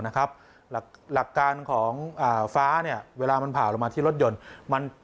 หลักการของฟ้าเวลามันผ่าลงมาที่รถยนต์